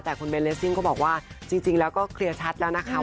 แต่คุณเบนเลสซิ่งก็บอกว่าจริงแล้วก็เคลียร์ชัดแล้วนะคะ